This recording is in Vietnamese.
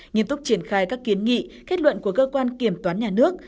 nghiêm túc triển khai các kiến nghị kết luận của cơ quan kiểm toán nhà nước